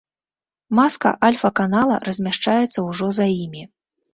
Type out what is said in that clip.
Маска альфа-канала размяшчаецца ўжо за імі.